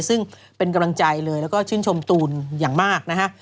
ซึ่งเป็นกำลังใจเลยแล้วก็ชื่นชมตูนอย่างมากนะฮะ